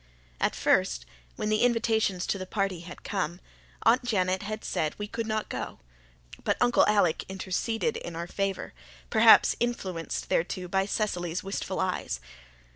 At first, when the invitations to the party had come, Aunt Janet had said we could not go; but Uncle Alec interceded in our favour, perhaps influenced thereto by Cecily's wistful eyes.